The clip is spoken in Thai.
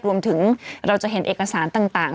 รวมถึงเราจะเห็นเอกสารต่าง